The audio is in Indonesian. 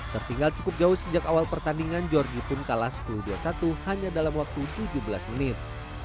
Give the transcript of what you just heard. tertinggal cukup jauh sejak awal pertandingan georgie pun kalah sepuluh dua puluh satu hanya dalam waktu tujuh belas menit